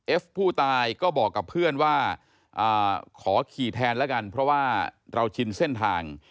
เอฟผู้ตายก็บอกกับเพื่อนว่าขอขี่แทนแล้วกันเพราะว่าเราชินเส้นทาง